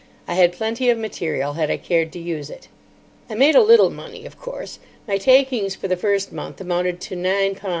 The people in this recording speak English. I had plenty of material, had I cared to use it. I made a little money, of course. My takings for the first month amounted to #9 10s.